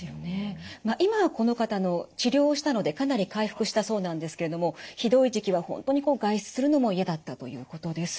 今はこの方治療したのでかなり回復したそうなんですけれどもひどい時期は本当に外出するのも嫌だったということです。